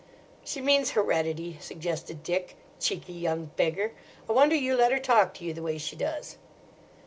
"She means heredity," suggested Dick—"cheeky young beggar! I wonder you let her talk to you the way she does."